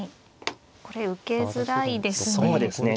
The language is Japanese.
これ受けづらいですね。